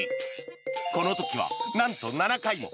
この時はなんと７回も。